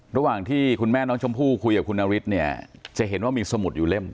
ระหว่างที่คุณแม่น้องชมพู่คุยกับคุณนฤทธิ์เนี่ยจะเห็นว่ามีสมุดอยู่เล่ม